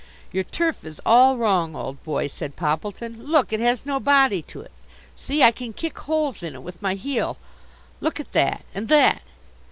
"Your turf is all wrong, old boy," said Poppleton. "Look! it has no body to it. See, I can kick holes in it with my heel. Look at that, and that!